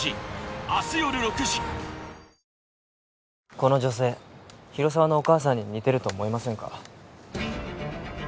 この女性広沢のお母さんに似てると思いませんか？